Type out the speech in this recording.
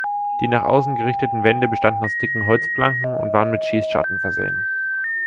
Die nach außen gerichteten Wände bestanden aus dicken Holzplanken und waren mit Schießscharten versehen.